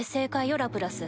ラプラス。